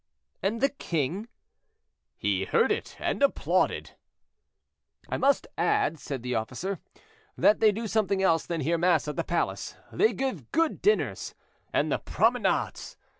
"And the king?" "He heard it, and applauded." "I must add," said the officer, "that they do something else than hear mass at the palace; they give good dinners—and the promenades!